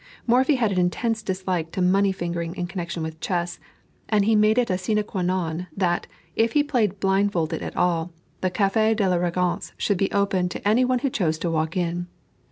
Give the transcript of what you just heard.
Morphy has an intense dislike to money fingering in connection with chess; and he made it a sine qua non that, if he played blindfold at all, the Café de la Régence should be open to any one who chose to walk in.